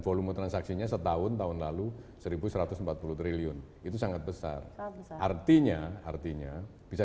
volume transaksinya setahun tahun lalu seribu satu ratus empat puluh triliun itu sangat besar artinya artinya bisa